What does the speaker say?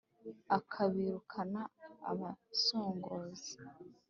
akabirukana abasongozi,